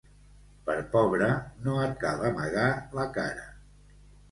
Per pobre no et cal amagar la cara.